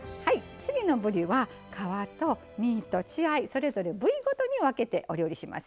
次のぶりは皮と身と血合いそれぞれ部位ごとに分けてお料理しますよ。